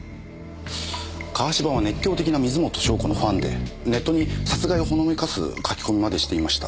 川芝は熱狂的な水元湘子のファンでネットに殺害をほのめかす書き込みまでしていました。